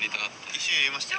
「一応入れましたよ。